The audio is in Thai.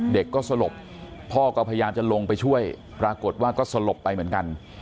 เด็กก็สลบพ่อก็พยายามจะลงไปช่วยปรากฏว่าก็สลบไปเหมือนกัน